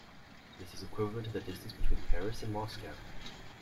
This is equivalent to the distance between Paris and Moscow.